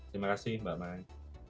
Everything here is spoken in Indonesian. terima kasih mbak mai